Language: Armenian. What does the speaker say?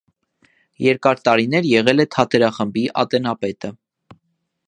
Երկար տարիներ եղել է թատերախմբի ատենապետը։